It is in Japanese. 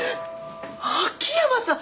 秋山さん